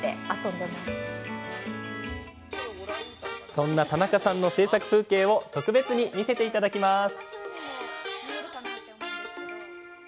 そんな田中さんの制作風景を特別に見せていただきます。